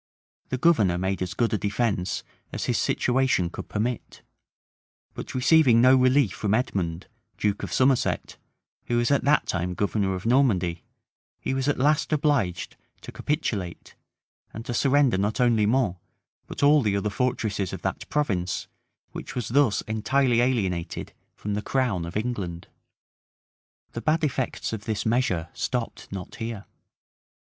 The governor made as good a defence as his situation could permit; but receiving no relief from Edmund, duke of Somerset, who was at that time governor of Normandy, he was at last obliged to capitulate, and to surrender not only Mans, but all the other fortresses of that province, which was thus entirely alienated from the crown of England. {1448.} The bad effects of this measure stopped not here.